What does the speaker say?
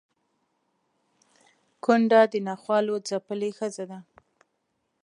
کونډه د ناخوالو ځپلې ښځه ده